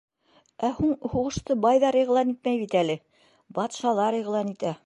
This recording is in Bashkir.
Ә һуң һуғышты байҙар иғлан итмәй бит әле, батшалар иғлан итә.